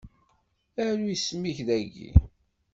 Aru isem-ik dagi.